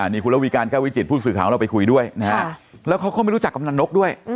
นี่คุณวิการแก้วิจิตรผู้สื่อของเราไปคุยด้วยแล้วเขาก็ไม่รู้จักกับนานนกด้วย